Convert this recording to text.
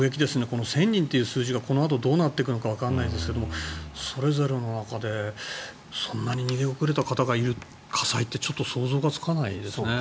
１０００人という数字がこのあとどうなってくるのかわかりませんけどそれぞれの中で、そんなに逃げ遅れた方がいる火災ってちょっと想像がつかないですね。